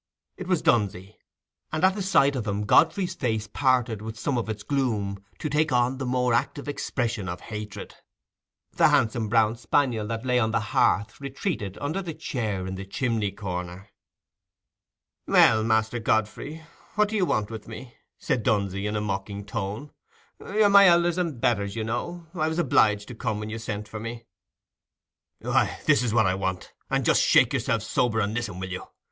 It was Dunsey, and at the sight of him Godfrey's face parted with some of its gloom to take on the more active expression of hatred. The handsome brown spaniel that lay on the hearth retreated under the chair in the chimney corner. "Well, Master Godfrey, what do you want with me?" said Dunsey, in a mocking tone. "You're my elders and betters, you know; I was obliged to come when you sent for me." "Why, this is what I want—and just shake yourself sober and listen, will you?"